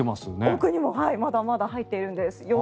奥にもまだまだ入っているんです。